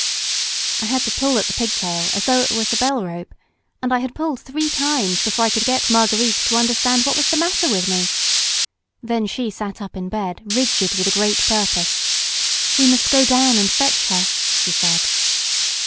I had to pull at the pig tail as though it was a bell rope, and I had pulled three times before I could get Marguerite to understand what was the matter with me. Then she sat up in bed rigid with a great purpose. "We must go down and fetch her," she said.